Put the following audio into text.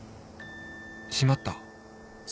しまった